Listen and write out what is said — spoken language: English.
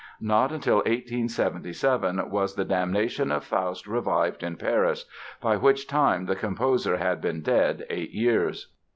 Not till 1877 was "The Damnation of Faust" revived in Paris, by which time the composer had been dead eight years.